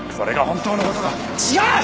違う！